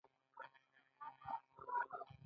دا لیدلوری په کوم ځانګړي دوکتورین ولاړ نه دی.